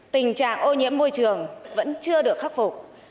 tình trạng ô nhiễm môi trường vẫn chưa được khắc phục